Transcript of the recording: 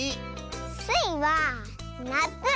スイはなつ！